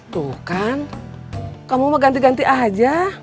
tuh kan kamu mau ganti ganti aja